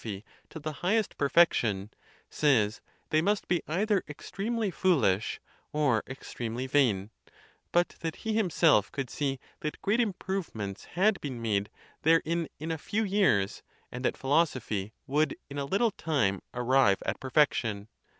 121 phy to the highest perfection, says, they must be either extremely foolish or extremely vain; but that he himself could see that great improvements had been'made therein in a few years, and that philosophy would in a little time arrive at perfection.